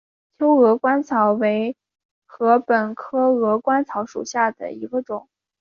秋鹅观草为禾本科鹅观草属下的一个种。